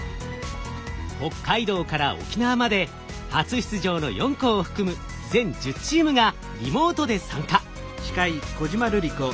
北海道から沖縄まで初出場の４校を含む全１０チームがリモートで参加。